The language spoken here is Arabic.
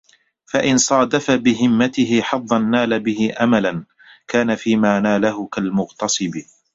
فَإِنْ صَادَفَ بِهِمَّتِهِ حَظًّا نَالَ بِهِ أَمَلًا كَانَ فِيمَا نَالَهُ كَالْمُغْتَصِبِ